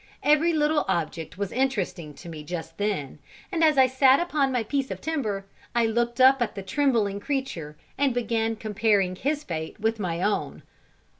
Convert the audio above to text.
Every little object was interesting to me just then, and as I sat upon my piece of timber I looked up at the trembling creature, and began comparing his fate with my own.